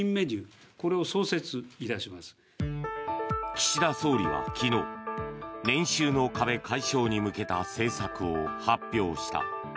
岸田総理は昨日年収の壁解消に向けた政策を発表した。